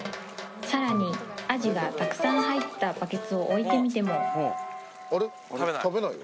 さらにアジがたくさん入ったバケツを置いてみてもあれっ食べないよ